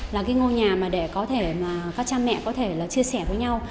là ngôi nhà để các cha mẹ có thể chia sẻ với nhau